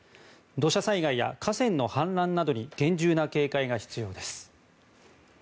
土砂災害や河川の氾濫などに厳重な警戒が必要です。